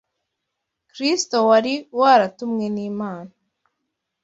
Kristo wari waratumwe n’Imana